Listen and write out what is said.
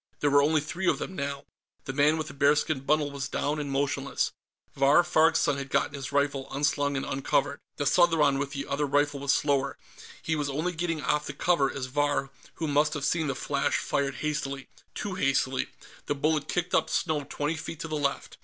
There were only three of them, now. The man with the bearskin bundle was down and motionless. Vahr Farg's son had gotten his rifle unslung and uncovered. The Southron with the other rifle was slower; he was only getting off the cover as Vahr, who must have seen the flash, fired hastily. Too hastily; the bullet kicked up snow twenty feet to the left.